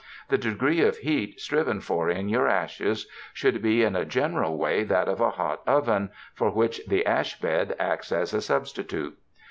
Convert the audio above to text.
The degree of heat striven for in your ashes should be in a general way that of a hot oven, for which the ash bed acts as a substitute.